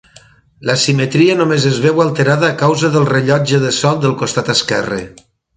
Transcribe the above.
La simetria només es veu alterada a causa del rellotge de sol del costat esquerre.